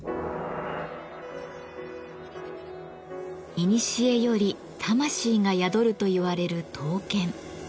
いにしえより魂が宿るといわれる「刀剣」。